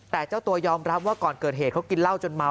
แต่เจ้าตัวยอมรับว่าก่อนเกิดเหตุเขากินเหล้าจนเมา